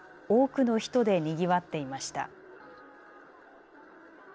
多くの人でにぎわっていました。